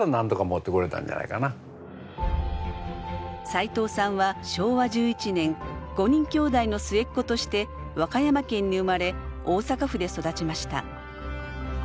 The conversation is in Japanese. さいとうさんは昭和１１年５人きょうだいの末っ子として和歌山県に生まれ大阪府で育ちました。